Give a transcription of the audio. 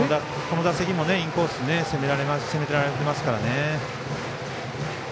この打席もインコース攻められてますからね。